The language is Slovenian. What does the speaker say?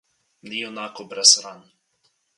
Ni junakov brez ran.